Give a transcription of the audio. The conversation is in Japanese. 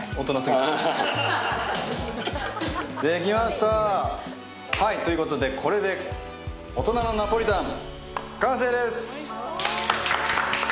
できました！ということでこれで大人のナポリタン、完成です。